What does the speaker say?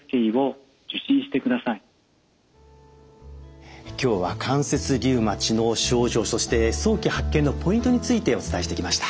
特に今日は関節リウマチの症状そして早期発見のポイントについてお伝えしてきました。